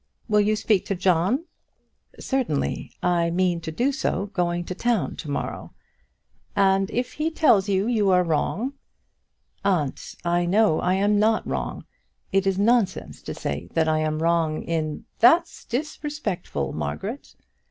Will you speak to John?" "Certainly; I meant to do so going to town to morrow." "And if he tells you you are wrong " "Aunt, I know I am not wrong. It is nonsense to say that I am wrong in " "That's disrespectful, Margaret!"